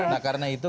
nah karena itu